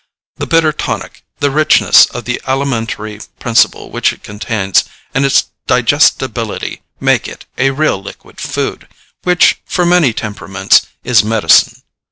The bitter tonic, the richness of the alimentary principle which it contains, and its digestibility make it a real liquid food, which, for many temperaments, is medicine.